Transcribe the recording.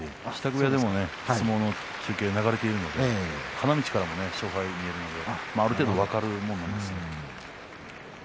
部屋でも相撲の中継が流れているので花道からも見えるのである程度は分かるものです。